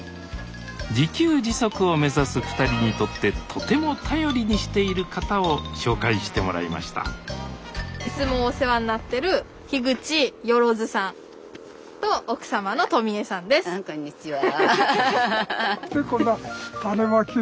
自給自足を目指す２人にとってとても頼りにしている方を紹介してもらいましたいつもお世話になってるあこんにちは。